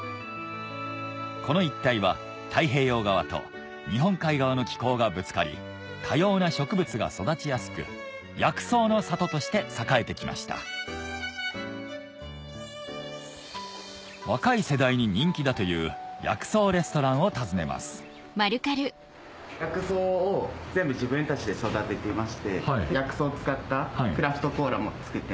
この一帯は太平洋側と日本海側の気候がぶつかり多様な植物が育ちやすく薬草の里として栄えてきました若い世代に人気だという薬草レストランを訪ねます薬草を全部自分たちで育てていまして薬草を使ったクラフトコーラも作って。